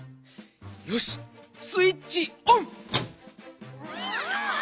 よしスイッチオン！